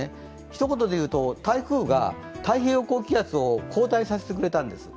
ひと言でいうと、台風が太平洋高気圧を後退させてくれたんです。